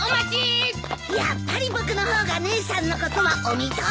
やっぱり僕の方が姉さんのことはお見通しだよ。